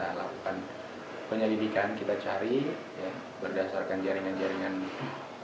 kita lakukan penyelidikan kita cari berdasarkan jaringan jaringan itu